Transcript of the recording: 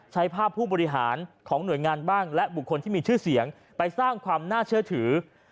ใช้ภาพผู้บริหารของหน่วยงานบ้างและบุคคลที่มีชื่อเสียงไปสร้างความน่าเชื่อถือ